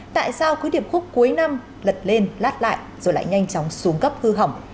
tại sao cứ điệp khúc cuối năm lật lên lát lại rồi lại nhanh chóng xuống cấp hư hỏng